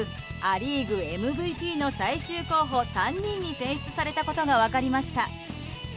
ア・リーグＭＶＰの最終候補３人に選出されたことが分かりました。